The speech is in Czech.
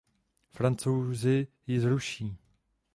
Francouzi ji zruší.